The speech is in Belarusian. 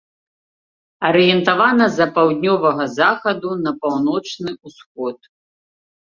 Арыентавана за паўднёвага захаду на паўночны усход.